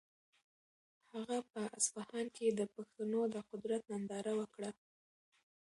هغه په اصفهان کې د پښتنو د قدرت ننداره وکړه.